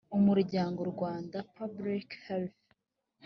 umuryango rwanda public health